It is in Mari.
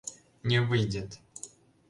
Не выйдет!